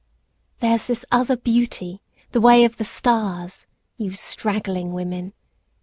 There's this other beauty, the way of the stars You straggling women.